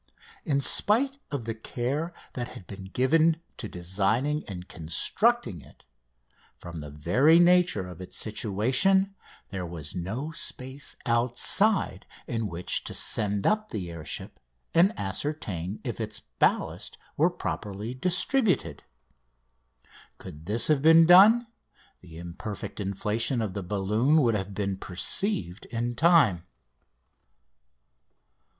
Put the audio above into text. In spite of the care that had been given to designing and constructing it, from the very nature of its situation there was no space outside in which to send up the air ship and ascertain if its ballast were properly distributed. Could this have been done the imperfect inflation of the balloon would have been perceived in time.